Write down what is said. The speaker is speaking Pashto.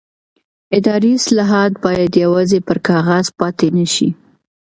اداري اصلاحات باید یوازې پر کاغذ پاتې نه شي